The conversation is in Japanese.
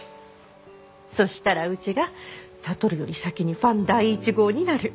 そしたらうちが智より先にファン第１号になる。